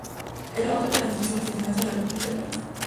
Es la más alta institución de enseñanza de la República de Malta.